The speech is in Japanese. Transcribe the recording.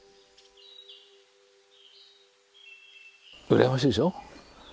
羨ましいでしょ？